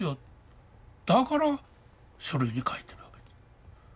だから書類に書いてるわけです。